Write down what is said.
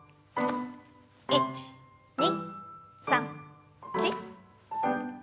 １２３４。